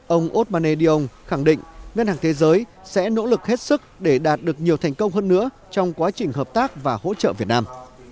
ông osmane diong khẳng định ngân hàng thế giới sẽ nỗ lực hết sức để đạt được nhiều thành công hơn nữa trong quá trình hợp tác và hỗ trợ việt nam